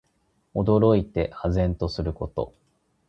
驚いて呆然とすること。